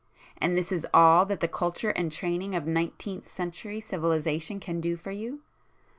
And this is all that the culture and training of nineteenth century civilization can do for you?